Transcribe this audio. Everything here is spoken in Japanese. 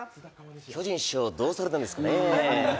巨人師匠、どうされたんですかね